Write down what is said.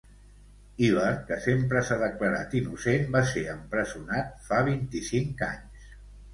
Ibar, que sempre s'ha declarat innocent, va ser empresonat fa vint-i-cinc anys.